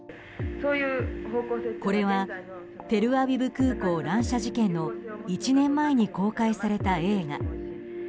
これはテルアビブ空港乱射事件の１年前に公開された映画。